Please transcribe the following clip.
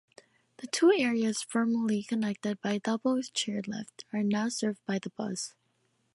The two areas, formerly connected by a double chairlift, are now served by bus.